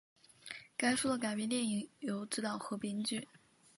该书的改编电影由执导和编剧。